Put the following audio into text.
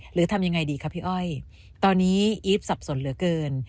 ทำยังไงดีคะพี่อ้อยตอนนี้อีฟสับสนเหลือเกิน